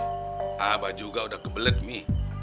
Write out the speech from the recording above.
ah abah juga udah kebelet mi